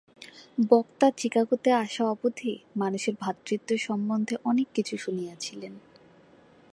বক্তা চিকাগোতে আসা অবধি মানুষের ভ্রাতৃত্ব সম্বন্ধে অনেক কিছু শুনিয়াছেন।